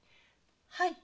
はい。